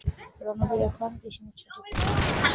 রণবীর এখন গ্রীষ্মের ছুটিতে।